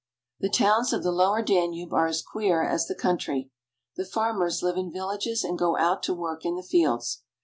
The towns of the lower Danube are as queer as the country. The farmers live in villages and go out to work in the fields.